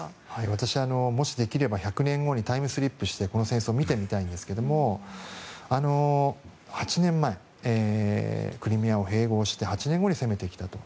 私はもしできれば１００年後にタイムスリップしてこの戦争を見てみたいんですが８年前、クリミアを併合して８年後に攻めてきたと。